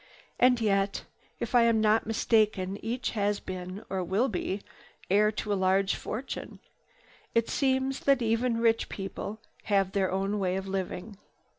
"And yet, if I am not mistaken each has been, or will be, heir to a large fortune. It seems that even rich people have their own way of living."